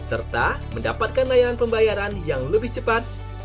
serta mendapatkan layanan pembayaran yang lebih cepat